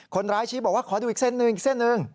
คนร้ายชี้บอกว่าขอดูอีกเส้นหนึ่งอีกเส้นหนึ่ง